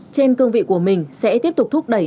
trên cương vị của mình sẽ tiếp tục thúc đẩy